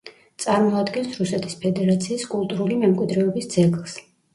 წარმოადგენს რუსეთის ფედერაციის კულტურული მემკვიდეობის ძეგლს.